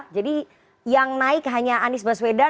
jadi yang naik hanya anies baswedan